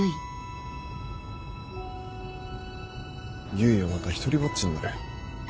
唯はまたひとりぼっちになる。